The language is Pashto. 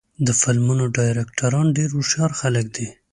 د فلمونو ډایرکټران ډېر هوښیار خلک دي.